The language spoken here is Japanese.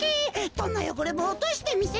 どんなよごれもおとしてみせます。